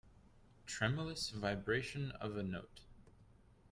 Tremulous vibration of a note.